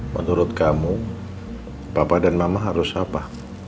menurut kamu papa dan mama harus apa